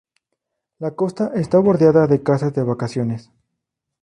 La costa está bordeada de casas de vacaciones.